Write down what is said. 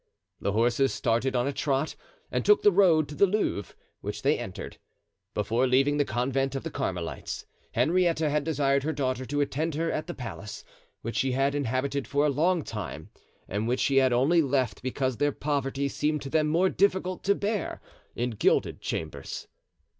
The horses started on a trot and took the road to the Louvre, which they entered. Before leaving the convent of the Carmelites, Henrietta had desired her daughter to attend her at the palace, which she had inhabited for a long time and which she had only left because their poverty seemed to them more difficult to bear in gilded chambers.